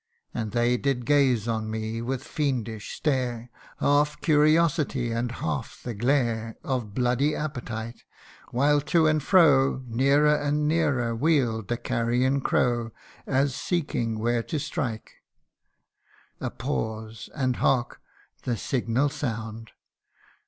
And they did gaze on me with fiendish stare, Half curiosity, and half the glare Of bloody appetite ; while to and fro, Nearer and nearer, wheel'd the carrion crow, As seeking where to strike. A pause, and hark ! The signal sound